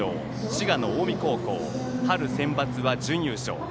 滋賀の近江高校春のセンバツは準優勝。